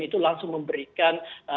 itu langsung memberikan